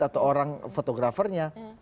atau orang fotografernya